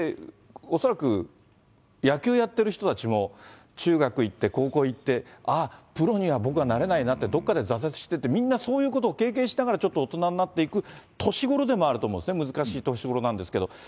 恐らく野球やってる人たちも、中学行って、高校行って、あっ、プロには僕はなれないなって、どこかで挫折してって、みんな、そういうことを経験しながらちょっと大人になっていく年頃でもあると思うんですね、難しい年頃なんですけど。